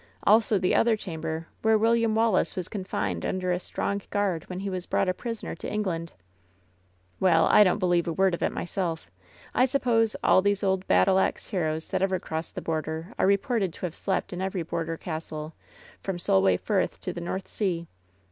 Also the other chamber where William Wal 262 LOVE'S BITTEREST CUP laee was confined under a strong guard when he was brought a prisoner to England. Well, I don't believe a word of it myself. I suppose all these old battle ax heroes that ever crossed the border are reported to have slept in every border castle, from Solway Firth to the North Sea.